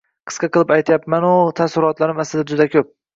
Qisqa qilib aytayapman-u, taassurotlarim aslida juda koʻp.